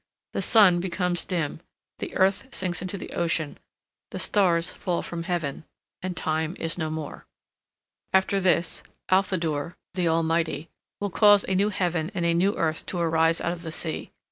The sun becomes dim, the earth sinks into the ocean, the stars fall from heaven, and time is no more. After this Alfadur (the Almighty) will cause a new heaven and a new earth to arise out of the sea.